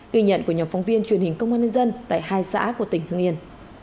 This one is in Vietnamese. ghi nhận của nhóm phóng viên truyền hình công an nhân dân tại hai xã của tỉnh hương yên